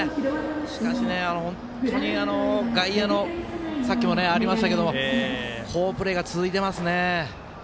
しかし、本当に外野のさっきもありましたけど好プレーが続いていますね。